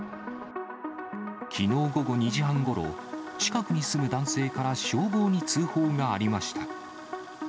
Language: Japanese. きのう午後２時半ごろ、近くに住む男性から消防に通報がありました。